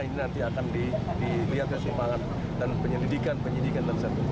ini nanti akan dilihat kesimpangan dan penyelidikan penyelidikan